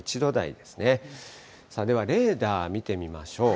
では、レーダー見てみましょう。